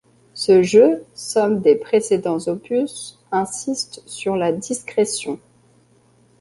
Ce jeu, somme des précédents opus, insiste sur la discrétion.